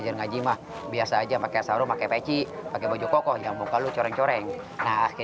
di desire ber armed busca melakukan tutte